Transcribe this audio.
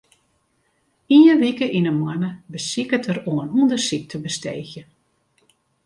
Ien wike yn 'e moanne besiket er oan ûndersyk te besteegjen.